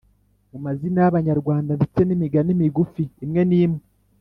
mu mazina y’abanyarwanda ndetse n’imigani migufi imwe n’imwe.